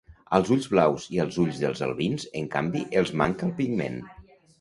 Als ulls blaus i als ulls dels albins, en canvi, els manca el pigment.